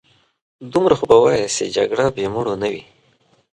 دومره خو به وايې چې جګړه بې مړو نه وي.